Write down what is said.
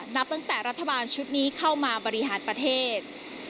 นับตั้งแต่รัฐบาลชุดนี้เข้ามาบริหารประเทศ